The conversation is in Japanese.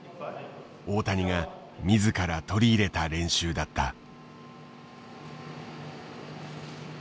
大谷が自ら取り入れた練習だった。